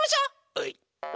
はい！